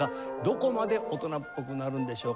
どこまで大人っぽくなるんでしょうか？